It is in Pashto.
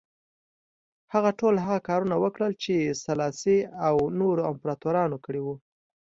هغه ټول هغه کارونه وکړل چې سلاسي او نورو امپراتورانو کړي وو.